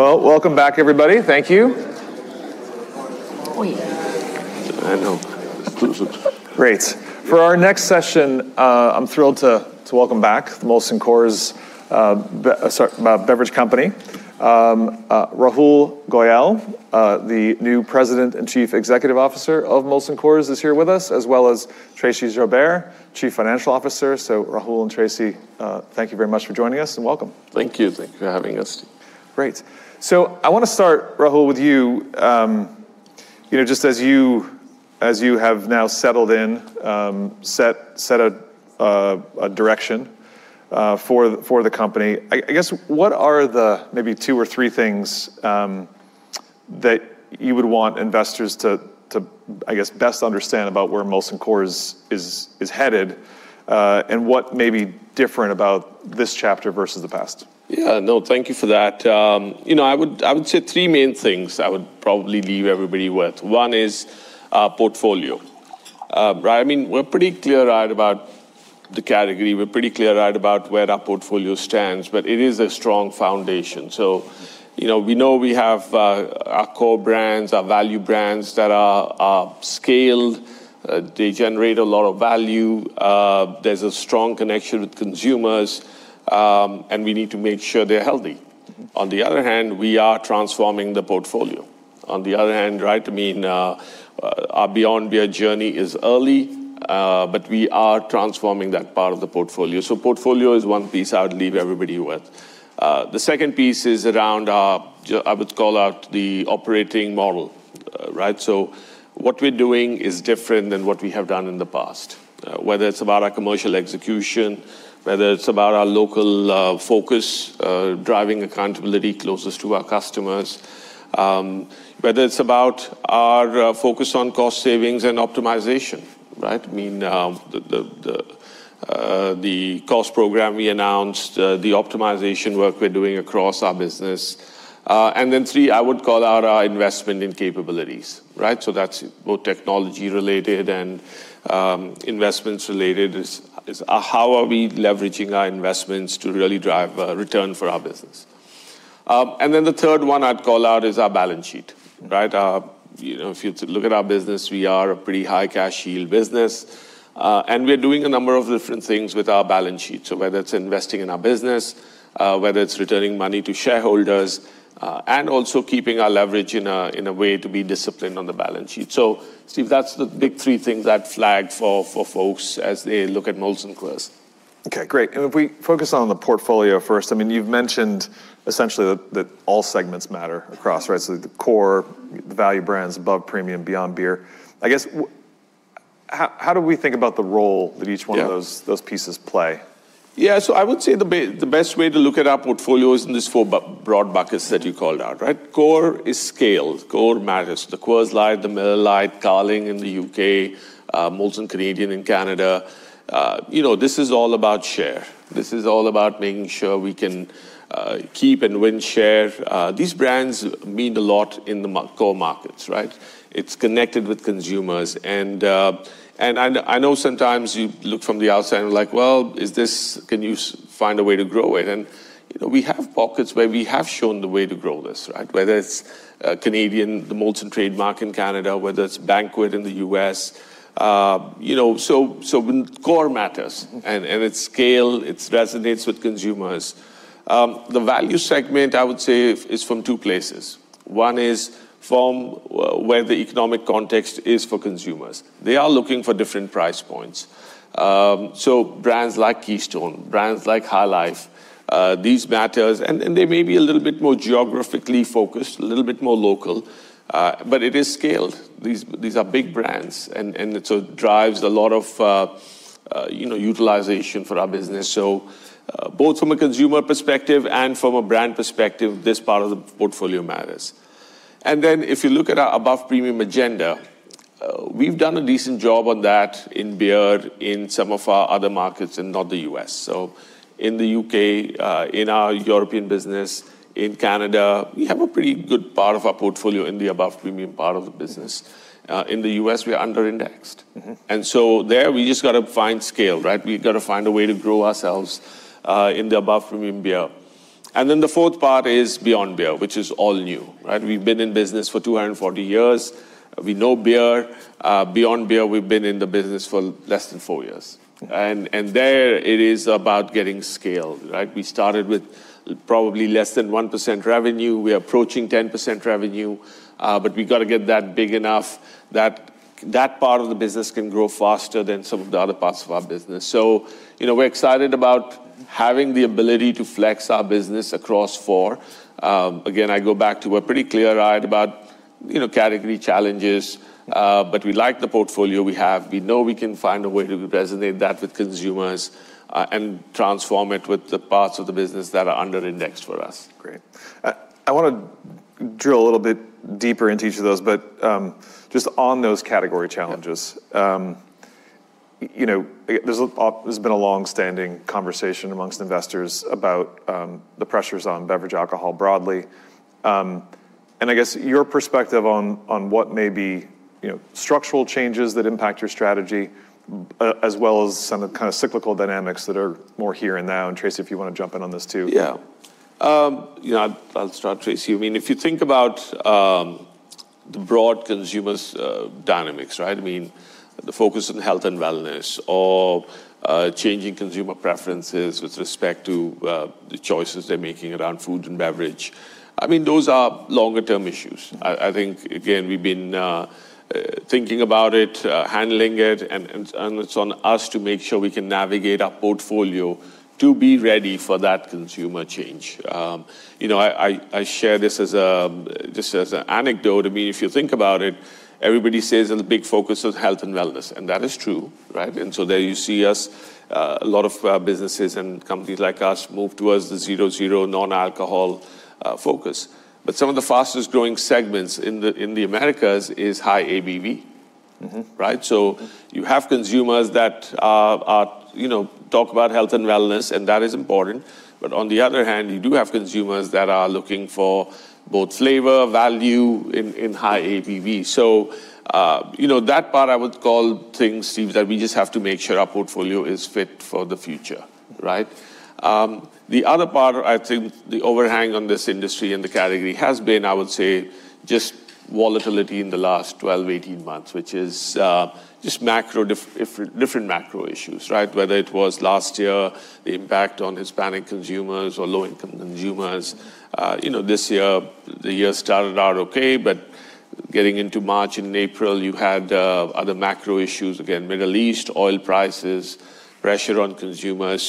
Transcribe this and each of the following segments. Well, welcome back everybody. Thank you. Oh, yeah. I know. Exclusions. Great. For our next session, I'm thrilled to welcome back Molson Coors Beverage Company. Rahul Goyal, the new President and Chief Executive Officer of Molson Coors is here with us, as well as Tracey Joubert, Chief Financial Officer. Rahul and Tracey, thank you very much for joining us, and welcome. Thank you. Thank you for having us. Great. I want to start, Rahul, with you. Just as you have now settled in, set a direction for the company. I guess, what are the maybe two or three things that you would want investors to, I guess, best understand about where Molson Coors is headed, and what may be different about this chapter versus the past? Yeah. No, thank you for that. I would say three main things I would probably leave everybody with. One is our portfolio. We're pretty clear-eyed about the category. We're pretty clear-eyed about where our portfolio stands, but it is a strong foundation. We know we have our core brands, our value brands that are scaled. They generate a lot of value. There's a strong connection with consumers, and we need to make sure they're healthy. On the other hand, we are transforming the portfolio. On the other hand, our Beyond Beer journey is early, but we are transforming that part of the portfolio. Portfolio is one piece I would leave everybody with. The second piece is around our, I would call out the operating model. What we're doing is different than what we have done in the past. Whether it's about our commercial execution, whether it's about our local focus, driving accountability closest to our customers, whether it's about our focus on cost savings and optimization. The cost program we announced, the optimization work we're doing across our business. Three, I would call out our investment in capabilities. That's both technology-related and investments-related, is how are we leveraging our investments to really drive a return for our business? The third one I'd call out is our balance sheet. If you look at our business, we are a pretty high cash yield business. We're doing a number of different things with our balance sheet. Whether it's investing in our business, whether it's returning money to shareholders, and also keeping our leverage in a way to be disciplined on the balance sheet. Steve, that's the big three things I'd flag for folks as they look at Molson Coors. Okay, great. If we focus on the portfolio first, you've mentioned essentially that all segments matter across: the core, the value brands, above premium, Beyond Beer. I guess, how do we think about the role that each one of those pieces play? Yeah. I would say the best way to look at our portfolio is in these four broad buckets that you called out. Core is scaled. Core matters. The Coors Light, the Miller Lite, Carling in the U.K., Molson Canadian in Canada. This is all about share. This is all about making sure we can keep and win share. These brands mean a lot in the core markets. It's connected with consumers and I know sometimes you look from the outside and like, "Well, can you find a way to grow it?" We have pockets where we have shown the way to grow this. Whether it's Canadian, the Molson trademark in Canada, whether it's Banquet in the U.S. Core matters and it's scale, it resonates with consumers. The value segment, I would say, is from two places. One is from where the economic context is for consumers. They are looking for different price points. Brands like Keystone, brands like High Life, these matters, and they may be a little bit more geographically focused, a little bit more local, but it is scaled. These are big brands and it drives a lot of utilization for our business. Both from a consumer perspective and from a brand perspective, this part of the portfolio matters. If you look at our above-premium agenda, we've done a decent job on that in beer in some of our other markets and not the U.S. In the U.K., in our European business, in Canada, we have a pretty good part of our portfolio in the above-premium part of the business. In the U.S., we are under-indexed. There, we just got to find scale. We've got to find a way to grow ourselves, in the above premium beer. The fourth part is Beyond Beer, which is all new. We've been in business for 240 years. We know beer. Beyond Beer, we've been in the business for less than four years. There it is about getting scaled. We started with probably less than 1% revenue. We're approaching 10% revenue. We got to get that big enough that that part of the business can grow faster than some of the other parts of our business. We're excited about having the ability to flex our business across four. Again, I go back to we're pretty clear-eyed about category challenges, but we like the portfolio we have. We know we can find a way to resonate that with consumers, and transform it with the parts of the business that are under indexed for us. Great. I want to drill a little bit deeper into each of those, but just on those category challenges. There's been a long-standing conversation amongst investors about the pressures on beverage alcohol broadly. And I guess your perspective on what may be structural changes that impact your strategy, as well as some kind of cyclical dynamics that are more here and now. Tracey, if you want to jump in on this, too. I'll start, Tracey. If you think about the broad consumer dynamics, right? The focus on health and wellness or changing consumer preferences with respect to the choices they're making around food and beverage. Those are longer-term issues. I think, again, we've been thinking about it, handling it, and it's on us to make sure we can navigate our portfolio to be ready for that consumer change. I share this as an anecdote. If you think about it, everybody says there's a big focus on health and wellness, and that is true, right? There you see us, a lot of our businesses and companies like us move towards the zero non-alcohol focus. Some of the fastest-growing segments in the Americas is high ABV. Right. You have consumers that talk about health and wellness, and that is important. On the other hand, you do have consumers that are looking for both flavor, value in high ABV. That part I would call things, Stephen, that we just have to make sure our portfolio is fit for the future, right. The other part, I think the overhang on this industry and the category has been, I would say, just volatility in the last 12, 18 months, which is just different macro issues, right. Whether it was last year, the impact on Hispanic consumers or low-income consumers. This year, the year started out okay, but getting into March and April, you had other macro issues. Again, Middle East, oil prices, pressure on consumers.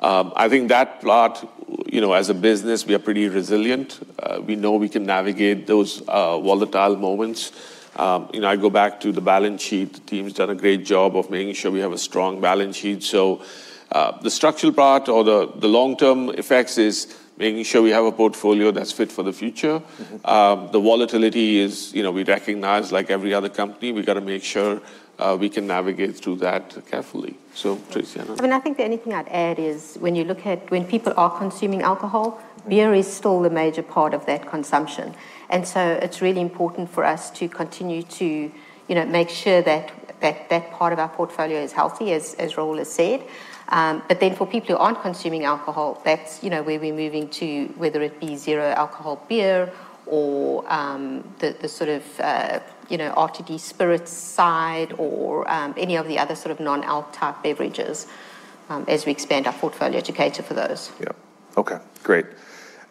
I think that part, as a business, we are pretty resilient. We know we can navigate those volatile moments. I go back to the balance sheet. The team's done a great job of making sure we have a strong balance sheet. The structural part or the long-term effects is making sure we have a portfolio that's fit for the future. The volatility is, we recognize like every other company, we've got to make sure we can navigate through that carefully. Tracey. I think the only thing I'd add is when you look at when people are consuming alcohol, beer is still a major part of that consumption. It's really important for us to continue to make sure that that part of our portfolio is healthy, as Rahul has said. For people who aren't consuming alcohol, that's where we're moving to, whether it be zero-alcohol beer or the sort of RTD spirits side or any of the other sort of non-alc type beverages as we expand our portfolio to cater for those. Yeah. Okay, great.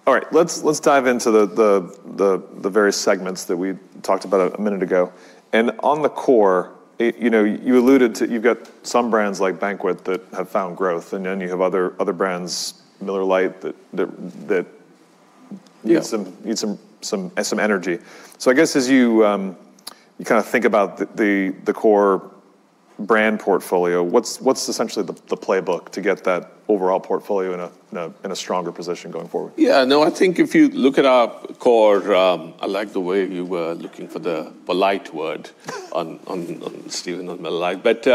All right, let's dive into the various segments that we talked about a minute ago. On the core, you alluded to, you've got some brands like Banquet that have found growth. You have other brands, Miller Lite, that. Yeah need some energy. I guess as you kind of think about the core brand portfolio, what's essentially the playbook to get that overall portfolio in a stronger position going forward? No, I think if you look at our core, I like the way you were looking for the polite word on, Stephen, on Miller Lite.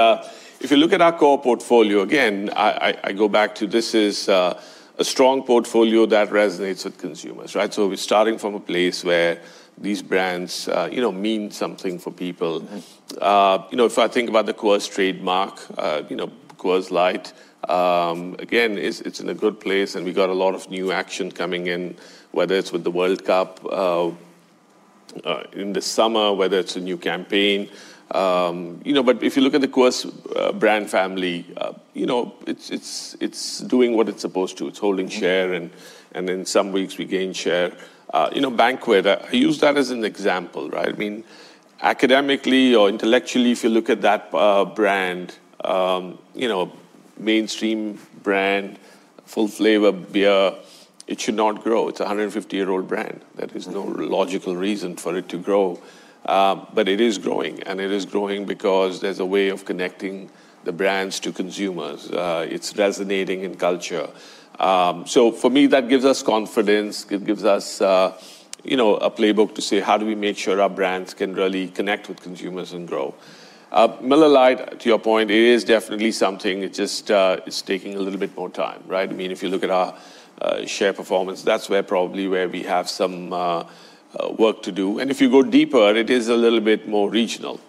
If you look at our core portfolio, again, I go back to this is a strong portfolio that resonates with consumers, right? We're starting from a place where these brands mean something for people. If I think about the Coors trademark, Coors Light, again, it's in a good place, and we got a lot of new action coming in, whether it's with the World Cup in the summer, whether it's a new campaign. If you look at the Coors brand family, it's doing what it's supposed to. It's holding share, and in some weeks, we gain share. Banquet, I use that as an example, right? Academically or intellectually, if you look at that brand, mainstream brand, full flavor beer, it should not grow. It's a 150-year-old brand. There is no logical reason for it to grow. It is growing, and it is growing because there's a way of connecting the brands to consumers. It's resonating in culture. For me, that gives us confidence. It gives us a playbook to say, how do we make sure our brands can really connect with consumers and grow? Miller Lite, to your point, it is definitely something. It just is taking a little bit more time, right? If you look at our share performance, that's where probably where we have some work to do. If you go deeper, it is a little bit more regional.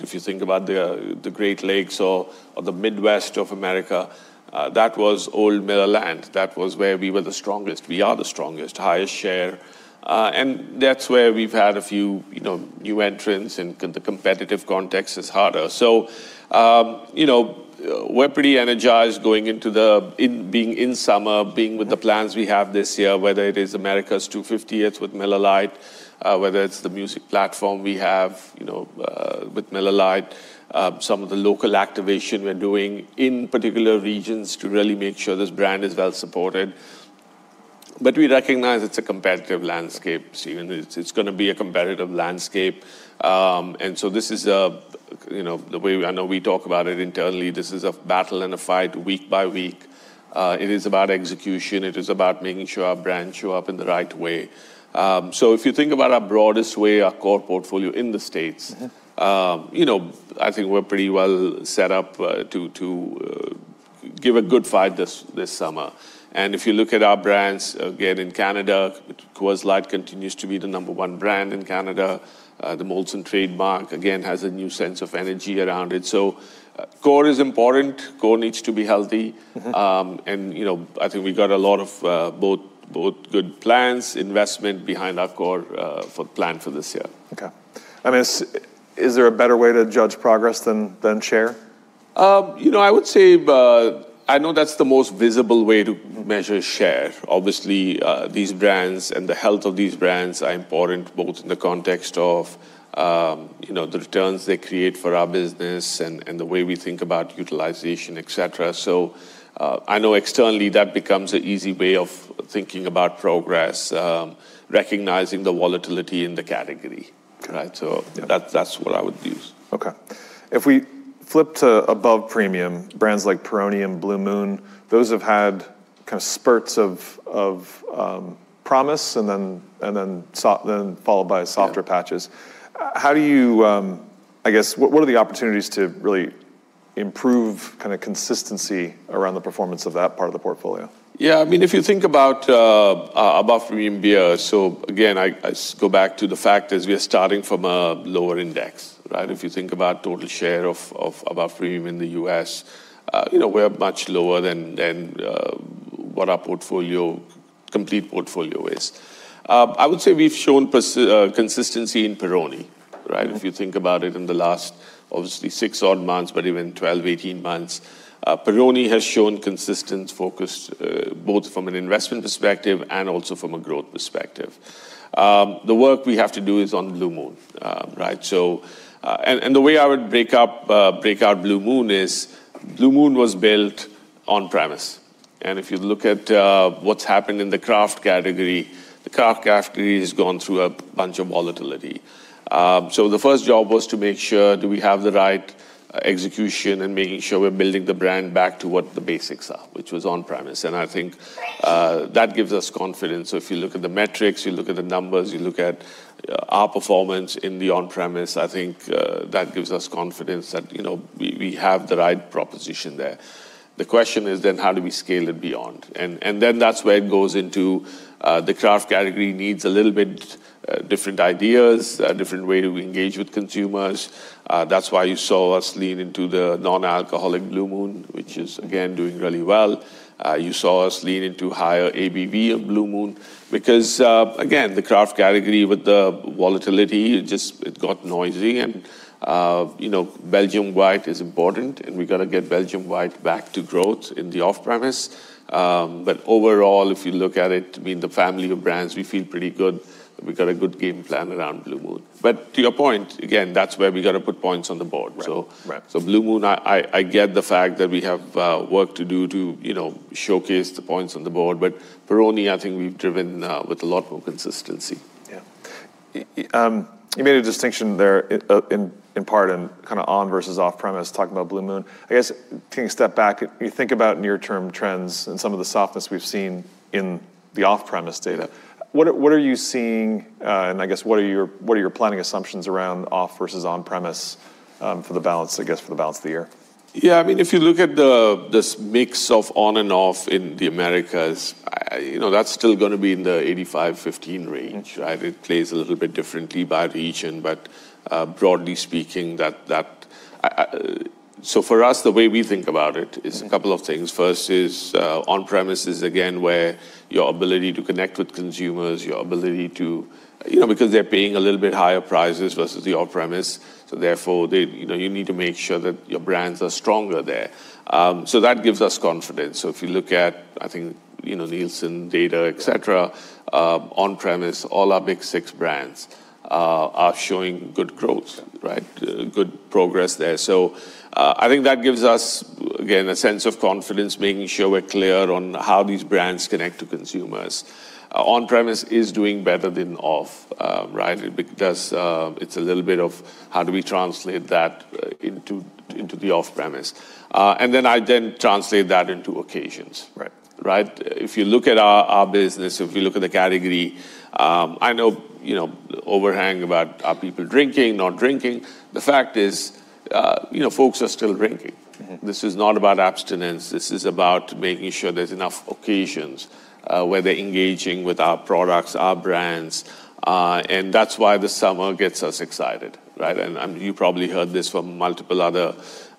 If you think about the Great Lakes or the Midwest of America, that was old Miller land. That was where we were the strongest. We are the strongest. Highest share. That's where we've had a few new entrants, and the competitive context is harder. We're pretty energized going into summer, with the plans we have this year, whether it is America's 250th with Miller Lite, whether it's the music platform we have with Miller Lite, some of the local activation we're doing in particular regions to really make sure this brand is well supported. We recognize it's a competitive landscape, Stephen. It's going to be a competitive landscape. This is the way I know we talk about it internally. This is a battle and a fight week by week. It is about execution. It is about making sure our brands show up in the right way. If you think about our broadest way, our core portfolio in the States. I think we're pretty well set up to give a good fight this summer. If you look at our brands, again, in Canada, Coors Light continues to be the number one brand in Canada. The Molson trademark, again, has a new sense of energy around it. Core is important. Core needs to be healthy. I think we've got a lot of both good plans, investment behind our core for plan for this year. Okay. Is there a better way to judge progress than share? I would say I know that's the most visible way to measure share. Obviously, these brands and the health of these brands are important both in the context of the returns they create for our business and the way we think about utilization, et cetera. I know externally that becomes an easy way of thinking about progress, recognizing the volatility in the category. Okay. That's what I would use. Okay. If we flip to above premium, brands like Peroni and Blue Moon, those have had kind of spurts of promise and then followed by softer patches. Yeah. What are the opportunities to really improve consistency around the performance of that part of the portfolio? Yeah, if you think about above premium beer, again, I go back to the fact is we are starting from a lower index, right? If you think about total share of above premium in the U.S., we're much lower than what our complete portfolio is. I would say we've shown consistency in Peroni, right? If you think about it in the last, obviously six odd months, but even 12, 18 months, Peroni has shown consistent focus both from an investment perspective and also from a growth perspective. The work we have to do is on Blue Moon. The way I would break out Blue Moon is Blue Moon was built on premise. If you look at what's happened in the craft category, the craft category has gone through a bunch of volatility. The first job was to make sure, do we have the right execution and making sure we're building the brand back to what the basics are, which was on premise. I think that gives us confidence. If you look at the metrics, you look at the numbers, you look at our performance in the on-premise, I think that gives us confidence that we have the right proposition there. The question is how do we scale it beyond? That's where it goes into the craft category needs a little bit different ideas, a different way to engage with consumers. That's why you saw us lean into the non-alcoholic Blue Moon, which is again, doing really well. You saw us lean into higher ABV of Blue Moon because, again, the craft category with the volatility, it got noisy and Belgian White is important and we got to get Belgian White back to growth in the off-premise. Overall, if you look at it, in the family of brands, we feel pretty good. We've got a good game plan around Blue Moon. To your point, again, that's where we got to put points on the board. Right. Blue Moon, I get the fact that we have work to do to showcase the points on the board, but Peroni, I think we've driven with a lot more consistency. Yeah. You made a distinction there in part on versus off-premise, talking about Blue Moon. I guess taking a step back, you think about near-term trends and some of the softness we've seen in the off-premise data. What are you seeing? What are your planning assumptions around off versus on-premise for the balance of the year? Yeah, if you look at this mix of on and off in the Americas, that's still going to be in the 85-15 range, right? It plays a little bit differently by region, but broadly speaking, for us, the way we think about it is a couple of things. First is on-premise is again, where your ability to connect with consumers. Because they're paying a little bit higher prices versus the off-premise, therefore you need to make sure that your brands are stronger there. That gives us confidence. If you look at, I think, NielsenIQ data, et cetera, on-premise, all our big six brands are showing good growth. Okay. Good progress there. I think that gives us, again, a sense of confidence, making sure we're clear on how these brands connect to consumers. On-premise is doing better than off. It's a little bit of how do we translate that into the off-premise? Then I then translate that into occasions. Right. If you look at our business, if you look at the category, I know overhang about are people drinking, not drinking. The fact is folks are still drinking. This is not about abstinence. This is about making sure there's enough occasions where they're engaging with our products, our brands, and that's why the summer gets us excited. You probably heard this from multiple other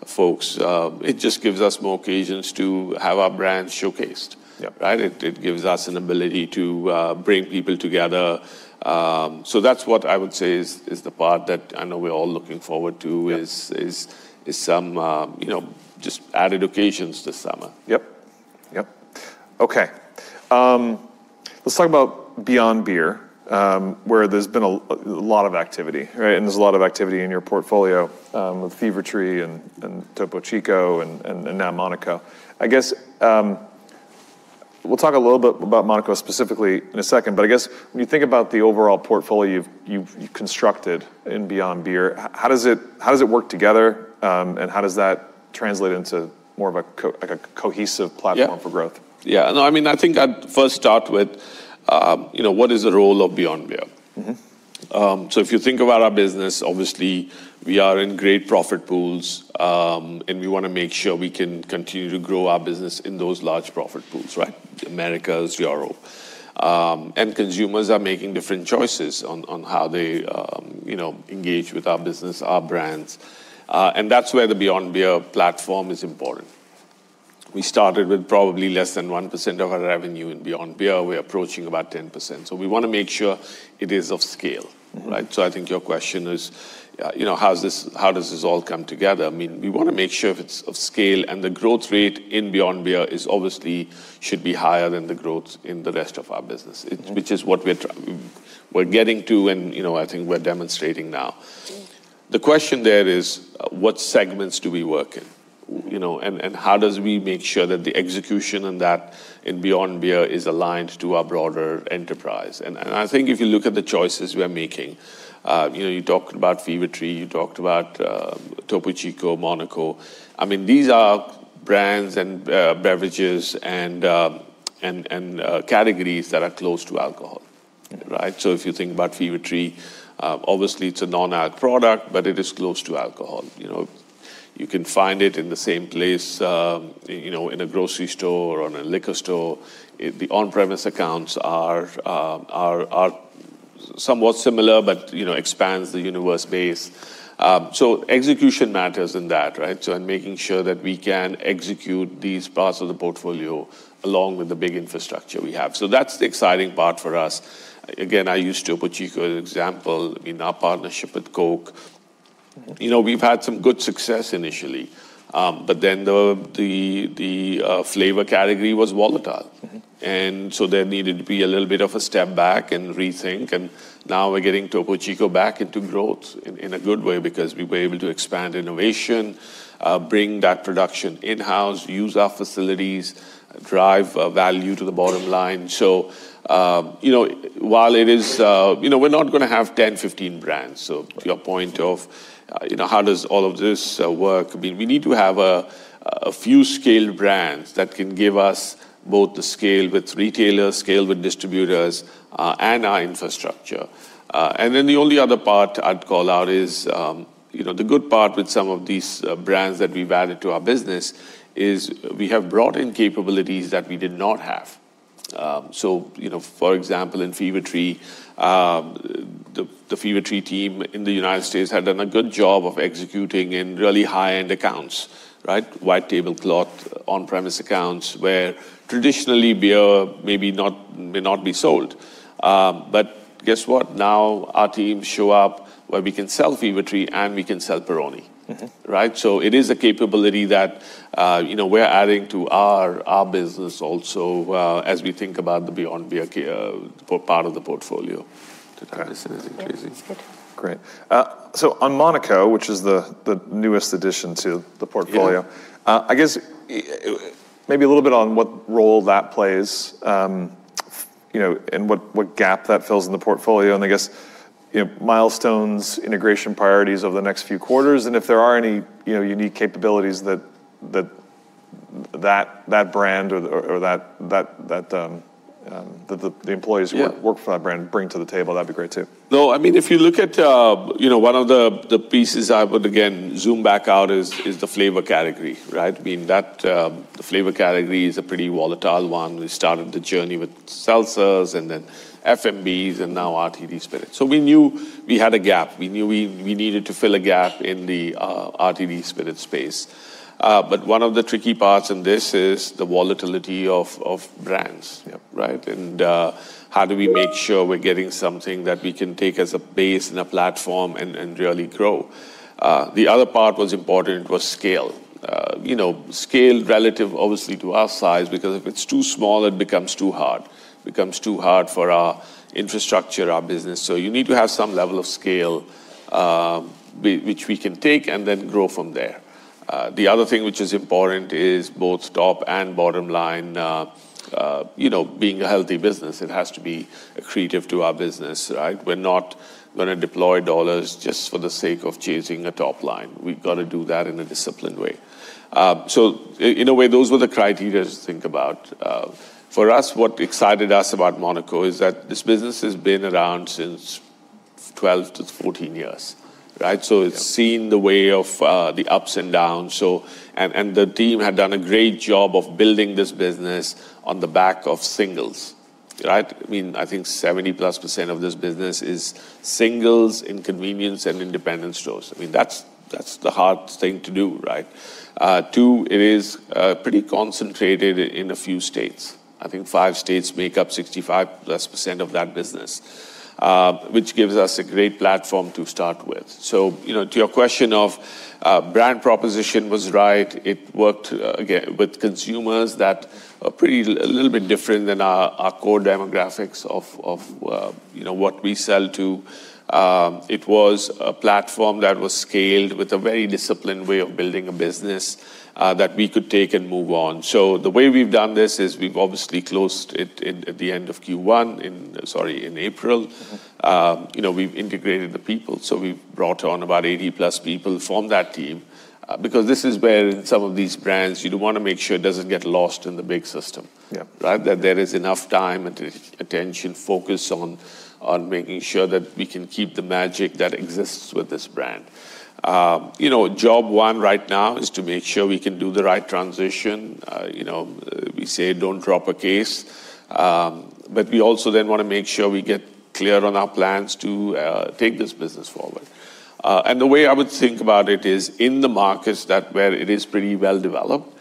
folks. It just gives us more occasions to have our brands showcased. Yep. It gives us an ability to bring people together. That's what I would say is the part that I know we're all looking forward to. Yeah is some just added occasions this summer. Yep. Okay. Let's talk about Beyond Beer, where there's been a lot of activity, right? There's a lot of activity in your portfolio, with Fever-Tree and Topo Chico and now Monaco. I guess, we'll talk a little bit about Monaco specifically in a second, but I guess when you think about the overall portfolio you've constructed in Beyond Beer, how does it work together? How does that translate into more of a cohesive platform for growth? Yeah. No, I think I'd first start with, what is the role of Beyond Beer? If you think about our business, obviously, we are in great profit pools, and we want to make sure we can continue to grow our business in those large profit pools. America is growing. Consumers are making different choices on how they engage with our business, our brands. That's where the Beyond Beer platform is important. We started with probably less than 1% of our revenue in Beyond Beer. We're approaching about 10%. We want to make sure it is of scale. I think your question is, how does this all come together? We want to make sure if it's of scale, and the growth rate in Beyond Beer obviously should be higher than the growth in the rest of our business. Which is what we're getting to and I think we're demonstrating now. The question there is, what segments do we work in? How do we make sure that the execution in that, in Beyond Beer, is aligned to our broader enterprise? I think if you look at the choices we're making, you talked about Fever-Tree, you talked about Topo Chico, Monaco. These are brands and beverages and categories that are close to alcohol. Yeah. If you think about Fever-Tree, obviously it's a non-alc product, but it is close to alcohol. You can find it in the same place, in a grocery store or in a liquor store. The on-premise accounts are somewhat similar, but expands the universe base. Execution matters in that. In making sure that we can execute these parts of the portfolio along with the big infrastructure we have. That's the exciting part for us. Again, I used Topo Chico as an example in our partnership with Coke. We've had some good success initially. The flavor category was volatile. There needed to be a little bit of a step back and rethink, and now we're getting Topo Chico back into growth in a good way because we were able to expand innovation, bring that production in-house, use our facilities, drive value to the bottom line. We're not going to have 10, 15 brands. To your point of how does all of this work, we need to have a few scaled brands that can give us both the scale with retailers, scale with distributors, and our infrastructure. Then the only other part I'd call out is the good part with some of these brands that we've added to our business is we have brought in capabilities that we did not have. For example, in Fever-Tree, the Fever-Tree team in the United States had done a good job of executing in really high-end accounts. White tablecloth, on-premise accounts, where traditionally beer may not be sold. Guess what? Now our teams show up where we can sell Fever-Tree, and we can sell Peroni. It is a capability that we're adding to our business also, as we think about the Beyond Beer part of the portfolio. Got it. Anything, Tracey? No, that's good. Great. On Monaco, which is the newest addition to the portfolio. Yeah. I guess, maybe a little bit on what role that plays, and what gap that fills in the portfolio, and I guess, milestones, integration priorities over the next few quarters, and if there are any unique capabilities that brand or that the employees- Yeah who work for that brand bring to the table, that'd be great too. No, if you look at one of the pieces I would again zoom back out is the flavor category. Being that the flavor category is a pretty volatile one. We started the journey with seltzers, and then FMBs, and now RTD spirits. We knew we had a gap. We knew we needed to fill a gap in the RTD spirit space. One of the tricky parts in this is the volatility of brands. Yep. How do we make sure we're getting something that we can take as a base and a platform and really grow? The other part was important was scale. Scale relative obviously to our size, because if it's too small, it becomes too hard. Becomes too hard for our infrastructure, our business. You need to have some level of scale, which we can take and then grow from there. The other thing which is important is both top and bottom line, being a healthy business, it has to be accretive to our business. We're not going to deploy dollars just for the sake of chasing a top line. We've got to do that in a disciplined way. In a way, those were the criteria to think about. For us, what excited us about Monaco is that this business has been around since 12 to 14 years. Yeah. It's seen the way of the ups and downs. The team had done a great job of building this business on the back of singles. I think 70%+ of this business is singles in convenience and independent stores. That's the hard thing to do. Two, it is pretty concentrated in a few states. I think five states make up 65%+ of that business, which gives us a great platform to start with. To your question of brand proposition was right. It worked, again, with consumers that are a little bit different than our core demographics of what we sell to. It was a platform that was scaled with a very disciplined way of building a business that we could take and move on. The way we've done this is we've obviously closed it at the end of Q1 in April. We've integrated the people. We've brought on about 80-plus people from that team, because this is where in some of these brands, you do want to make sure it doesn't get lost in the big system. Yep. That there is enough time, attention, focus on making sure that we can keep the magic that exists with this brand. Job one right now is to make sure we can do the right transition. We say, "Don't drop a case." We also then want to make sure we get clear on our plans to take this business forward. The way I would think about it is in the markets where it is pretty well developed,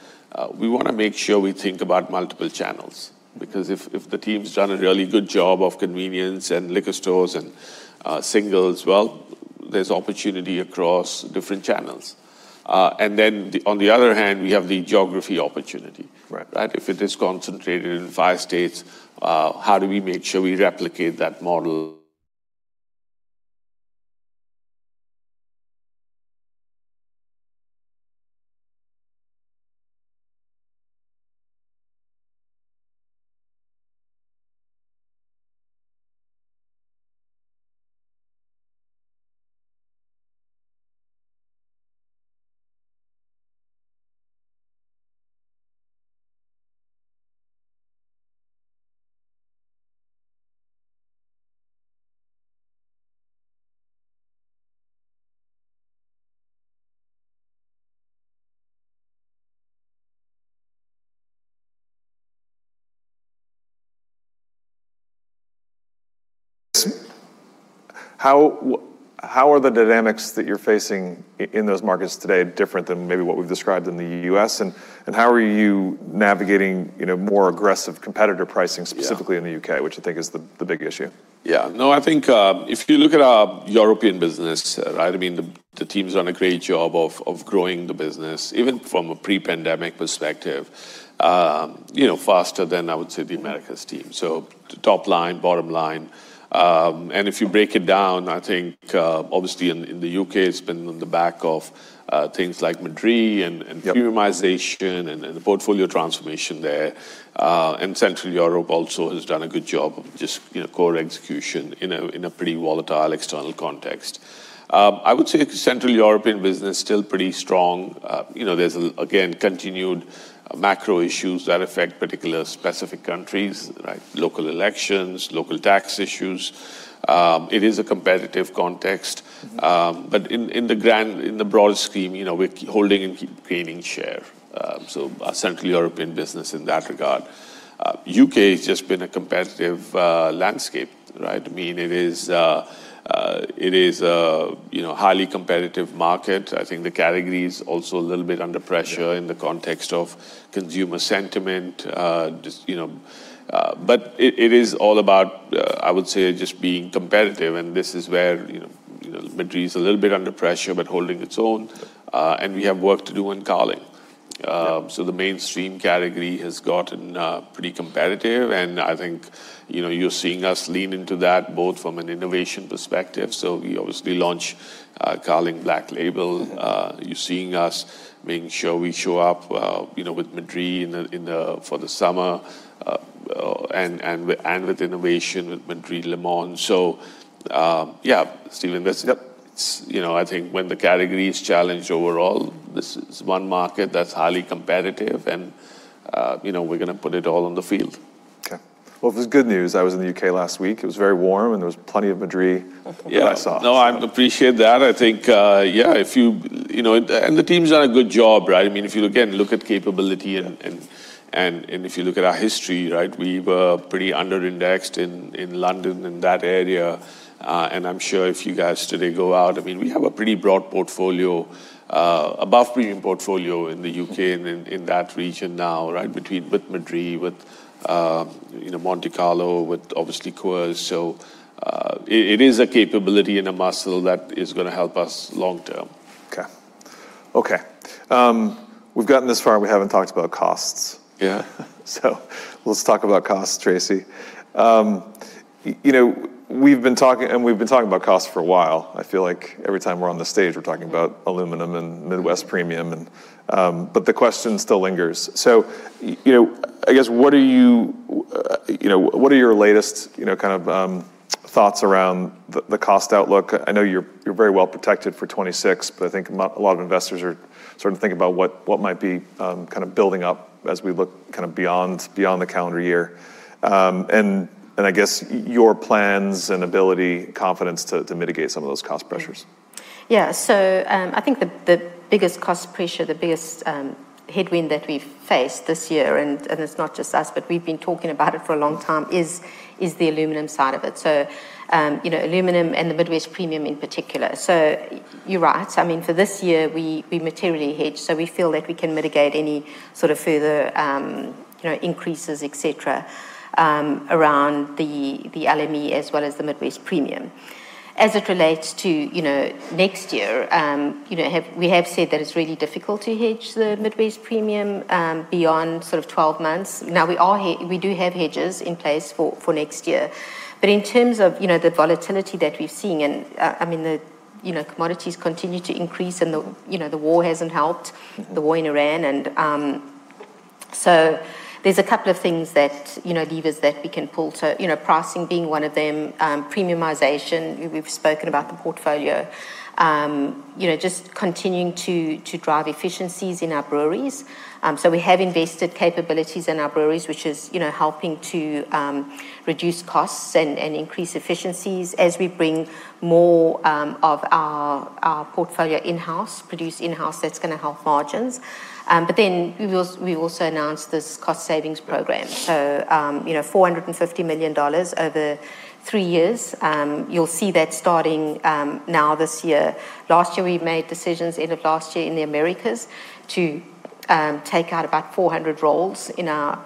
we want to make sure we think about multiple channels, because if the team's done a really good job of convenience and liquor stores and singles, well, there's opportunity across different channels. On the other hand, we have the geography opportunity. Right. If it is concentrated in five states, how do we make sure we replicate that model? How are the dynamics that you're facing in those markets today different than maybe what we've described in the U.S., and how are you navigating more aggressive competitor pricing? Yeah specifically in the U.K., which I think is the big issue? Yeah, no, I think, if you look at our European business, the team's done a great job of growing the business, even from a pre-pandemic perspective, faster than I would say the Americas team. The top line, bottom line. If you break it down, I think, obviously in the U.K., it's been on the back of things like Madrí and premiumization and the portfolio transformation there. Central Europe also has done a good job of just core execution in a pretty volatile external context. I would say Central European business, still pretty strong. There's, again, continued macro issues that affect particular specific countries. Right. Local elections, local tax issues. It is a competitive context. In the broad scheme, we're holding and keep gaining share. Central European business in that regard. U.K. has just been a competitive landscape. I mean, it is a highly competitive market. I think the category is also a little bit under pressure. in the context of consumer sentiment. It is all about, I would say, just being competitive, and this is where Madrí is a little bit under pressure, but holding its own. Yeah. We have work to do in Carling. Yeah. The mainstream category has gotten pretty competitive, and I think you're seeing us lean into that, both from an innovation perspective. We obviously launch Carling Black Label. You're seeing us making sure we show up with Madrí for the summer, and with innovation with Madrí Limón. Yeah. Still investing. I think when the category is challenged overall, this is one market that's highly competitive and we're going to put it all on the field. Okay. Well, it was good news. I was in the U.K. last week. It was very warm, and there was plenty of Madrí. Yeah that I saw. No, I appreciate that. The team's done a good job. If you, again, look at capability and if you look at our history, we were pretty under-indexed in London and that area. I'm sure if you guys today go out, we have a pretty broad portfolio, above premium portfolio in the U.K. and in that region now, between with Madrí, with Monte Carlo, with obviously Coors. It is a capability and a muscle that is going to help us long- term. Okay. We've gotten this far and we haven't talked about costs. Yeah. Let's talk about costs, Tracey. We've been talking about costs for a while. I feel like every time we're on the stage, we're talking about aluminum and Midwest premium. The question still lingers. I guess, what are your latest kind of thoughts around the cost outlook? I know you're very well-protected for 2026, but I think a lot of investors are starting to think about what might be kind of building up as we look beyond the calendar year. I guess your plans and ability, confidence to mitigate some of those cost pressures. Yeah. I think the biggest cost pressure, the biggest headwind that we've faced this year, and it's not just us, but we've been talking about it for a long time, is the aluminum side of it. Aluminum and the Midwest premium in particular. You're right. For this year, we materially hedge, so we feel that we can mitigate any sort of further increases, et cetera, around the LME as well as the Midwest premium. As it relates to next year, we have said that it's really difficult to hedge the Midwest premium beyond sort of 12 months. Now, we do have hedges in place for next year. In terms of the volatility that we've seen, and the commodities continue to increase and the war hasn't helped, the war in Iran. There's levers that we can pull to, pricing being one of them. Premiumization, we've spoken about the portfolio. Just continuing to drive efficiencies in our breweries. We have invested capabilities in our breweries, which is helping to reduce costs and increase efficiencies as we bring more of our portfolio in-house, produced in-house, that's going to help margins. We also announced this cost savings program. $450 million over three years. You'll see that starting now this year. Last year, we made decisions end of last year in the Americas to take out about 400 roles in our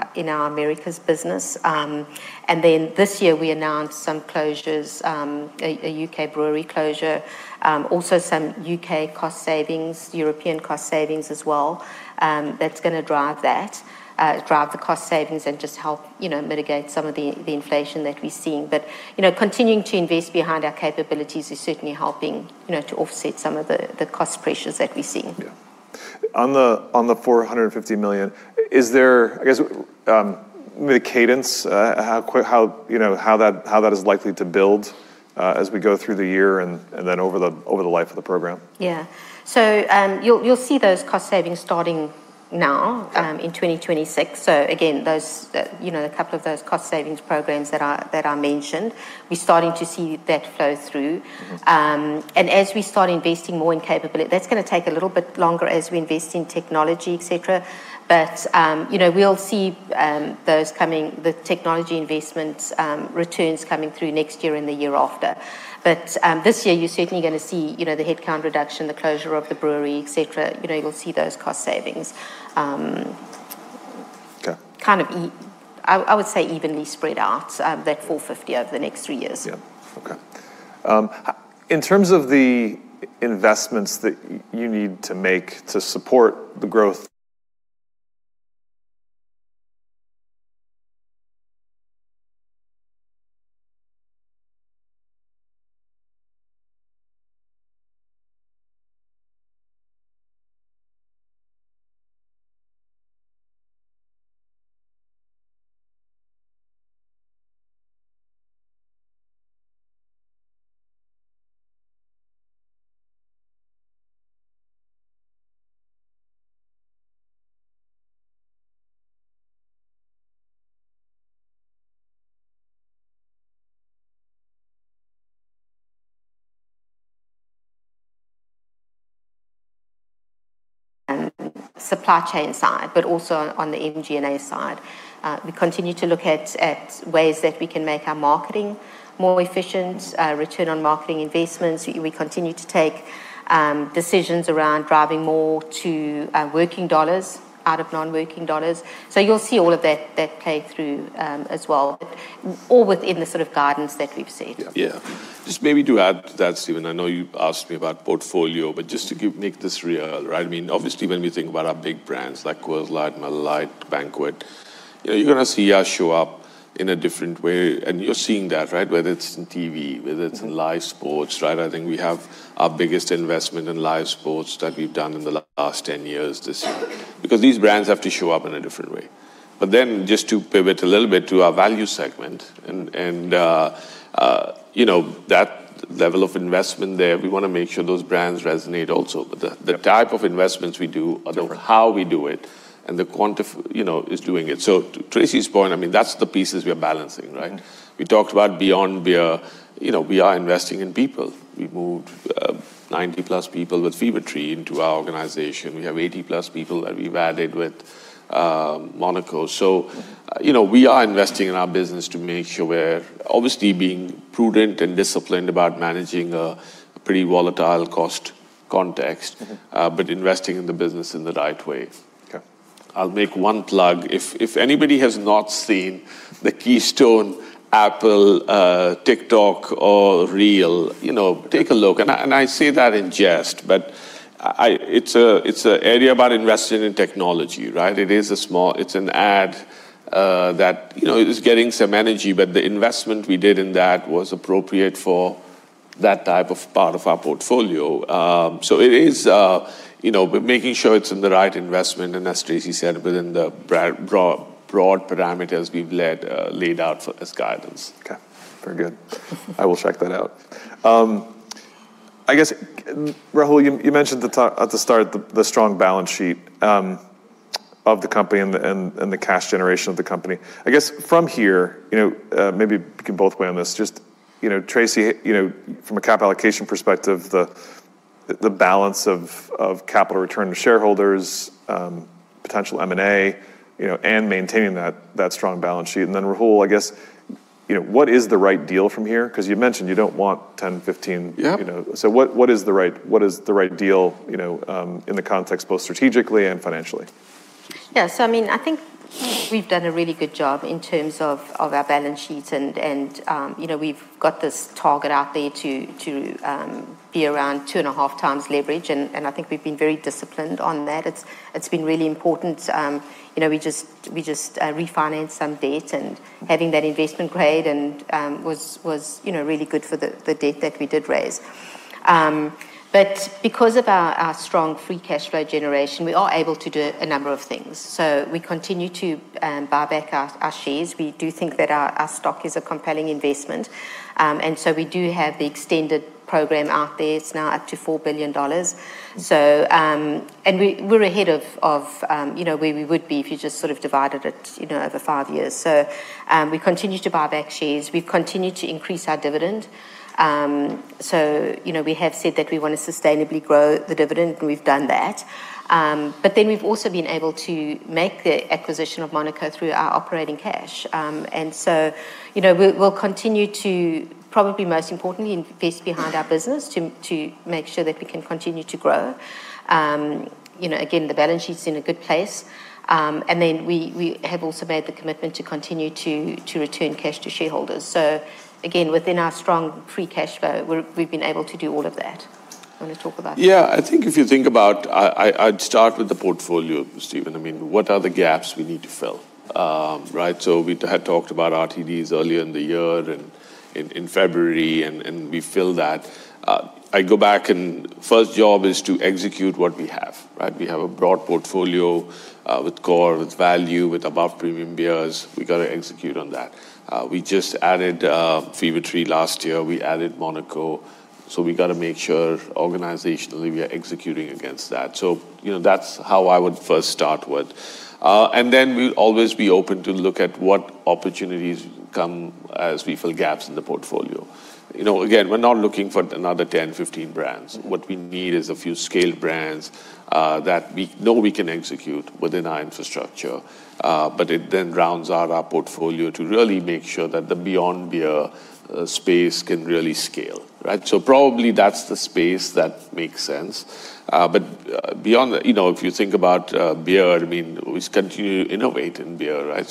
Americas business. This year we announced some closures, a U.K. brewery closure. Also some U.K. cost savings, European cost savings as well, that's going to drive that. Drive the cost savings and just help mitigate some of the inflation that we're seeing. Continuing to invest behind our capabilities is certainly helping to offset some of the cost pressures that we're seeing. Yeah. On the $450 million, is there, I guess, the cadence, how that is likely to build, as we go through the year and then over the life of the program? Yeah. You'll see those cost savings starting now, in 2026. Again, a couple of those cost savings programs that I mentioned, we're starting to see that flow through. As we start investing more in capability, that's going to take a little bit longer as we invest in technology, et cetera. We'll see those coming, the technology investments, returns coming through next year and the year after. This year you're certainly going to see the headcount reduction, the closure of the brewery, et cetera. You'll see those cost savings. Okay. I would say evenly spread out, that $450 over the next three years. Yeah. Okay. In terms of the investments that you need to make to support the growth. Supply chain side, but also on the SG&A side. We continue to look at ways that we can make our marketing more efficient, return on marketing investments. We continue to take decisions around driving more to working dollars out of non-working dollars. You'll see all of that play through as well, all within the sort of guidance that we've set. Yeah. Just maybe to add to that, Stephen, I know you asked me about portfolio, but just to make this real, right? Obviously when we think about our big brands like Coors Light, Miller Lite, Banquet, you're going to see us show up in a different way. You're seeing that, right? Whether it's in TV, whether it's. in live sports, right. I think we have our biggest investment in live sports that we've done in the last 10 years this year. These brands have to show up in a different way. Just to pivot a little bit to our value segment and that level of investment there, we want to make sure those brands resonate also. Yeah type of investments we do Sure or how we do it, and the quantity is doing it. To Tracey's point, that's the pieces we are balancing, right? We talked about Beyond Beer, we are investing in people. We moved 90+ people with Fever-Tree into our organization. We have 80+ people that we've added with Monaco. We are investing in our business to make sure we're obviously being prudent and disciplined about managing a pretty volatile cost context. Investing in the business in the right way. Okay. I'll make one plug. If anybody has not seen the Keystone Apple, TikTok or Reel, take a look. I say that in jest, but it's an area about investing in technology, right? It's an ad, that is getting some energy, but the investment we did in that was appropriate for that type of part of our portfolio. It is making sure it's in the right investment, and as Tracey said, within the broad parameters we've laid out for this guidance. Okay, very good. I will check that out. Rahul, you mentioned at the start the strong balance sheet of the company and the cash generation of the company. From here, maybe we can both weigh on this, just Tracey, from a capital allocation perspective, the balance of capital return to shareholders, potential M&A, and maintaining that strong balance sheet. Rahul, what is the right deal from here? Because you mentioned you don't want 10, 15- Yeah What is the right deal, in the context both strategically and financially? I think we've done a really good job in terms of our balance sheets, and we've got this target out there to be around 2.5 times leverage, and I think we've been very disciplined on that. It's been really important. We just refinanced some debt, and having that investment grade was really good for the debt that we did raise. Because of our strong free cash flow generation, we are able to do a number of things. We continue to buy back our shares. We do think that our stock is a compelling investment. We do have the extended program out there. It's now up to $4 billion. We're ahead of where we would be if you just sort of divided it over five years. We continue to buy back shares. We've continued to increase our dividend. We have said that we want to sustainably grow the dividend, and we've done that. We've also been able to make the acquisition of Monaco through our operating cash. We'll continue to probably most importantly, invest behind our business, to make sure that we can continue to grow. Again, the balance sheet's in a good place. We have also made the commitment to continue to return cash to shareholders. Again, within our strong free cash flow, we've been able to do all of that. Yeah, I think if you think about I'd start with the portfolio, Stephen. What are the gaps we need to fill? Right? We had talked about RTDs earlier in the year and in February, and we filled that. I go back, and first job is to execute what we have, right? We have a broad portfolio, with core, with value, with above premium beers. We got to execute on that. We just added Fever-Tree last year, we added Monaco. We got to make sure organizationally we are executing against that. That's how I would first start with. Then we'll always be open to look at what opportunities come as we fill gaps in the portfolio. Again, we're not looking for another 10, 15 brands. What we need is a few scaled brands, that we know we can execute within our infrastructure. It then rounds out our portfolio to really make sure that the Beyond Beer space can really scale, right? Probably that's the space that makes sense. Beyond, if you think about beer, we continue to innovate in beer, right?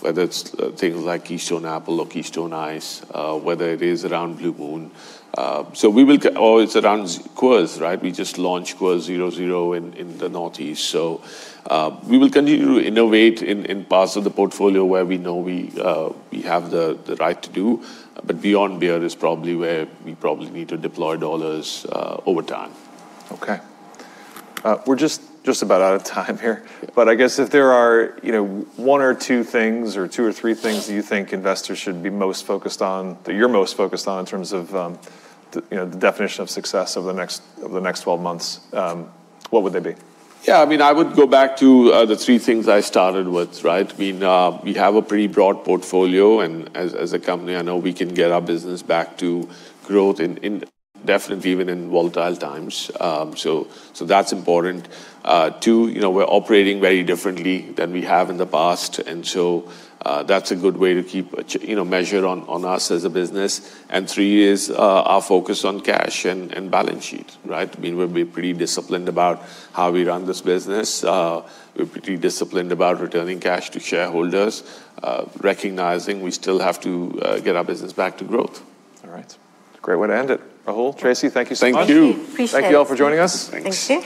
Whether it's things like Keystone Apple or Keystone Ice, whether it is around Blue Moon. It's around Coors, right? We just launched Coors 0.0% in the Northeast. We will continue to innovate in parts of the portfolio where we know we have the right to do. Beyond Beer is probably where we probably need to deploy dollars over time. Okay. We're just about out of time here. I guess if there are one or two things or two or three things that you think investors should be most focused on, that you're most focused on in terms of the definition of success over the next 12 months, what would they be? I would go back to the three things I started with, right? We have a pretty broad portfolio, and as a company, I know we can get our business back to growth definitely even in volatile times. That's important. Two, we're operating very differently than we have in the past, that's a good way to keep a measure on us as a business. Three is, our focus on cash and balance sheet, right? We've been pretty disciplined about how we run this business. We're pretty disciplined about returning cash to shareholders, recognizing we still have to get our business back to growth. All right. Great way to end it. Rahul, Tracey, thank you so much. Thank you. Appreciate it. Thank you all for joining us. Thank you.